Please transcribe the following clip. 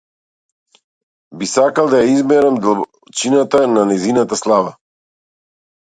Би сакал да ја измерам длабочината на нејзината слава.